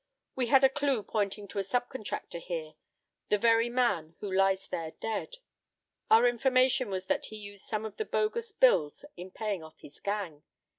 We had a clew pointing to a sub contractor here the very man who lies there dead. Our information was that he used some of the bogus bills in paying off his gang.